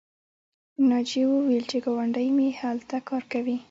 ناجیې وویل چې ګاونډۍ مې هلته کار کوي